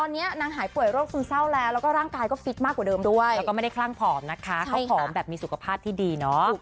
นางหายป่วยโรคทรงเศร้าและร่างกายก็ฟิตมากกว่าเดิมด้วย